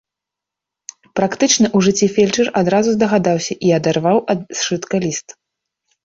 Практычны ў жыцці фельчар адразу здагадаўся і адарваў ад сшытка ліст.